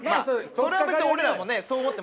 それは別に俺らもねそう思ってましたからね。